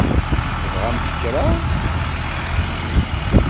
Tebɣamt kra?